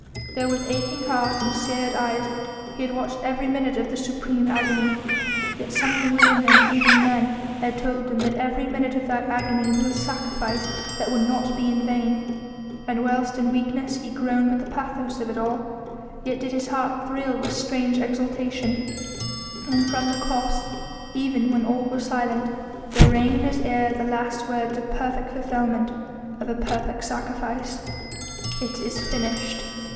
Though with aching heart and seared eyes he had watched every minute of the supreme agony, yet something within him, even then, had told him that every minute of that agony was a sacrifice that would not be in vain. And whilst in weakness he groaned with the pathos of it all, yet did his heart thrill with strange exultation, and from that Cross even when all was silent there rang in his ear the last words of perfect fulfilment of a perfect sacrifice: "It is finished!"